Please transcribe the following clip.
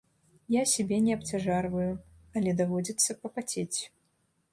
Я сябе не абцяжарваю, але даводзіцца папацець.